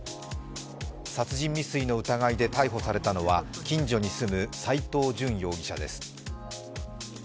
殺人未遂の疑いで逮捕されたのは近所に住む斉藤淳容疑者です。